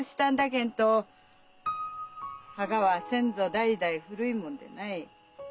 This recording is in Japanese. げんと墓は先祖代々古いもんでない。